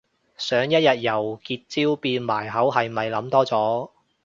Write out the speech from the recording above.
想一日由結焦變埋口係咪諗多咗